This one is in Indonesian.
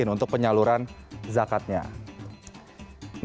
untuk penyaluran kesehatan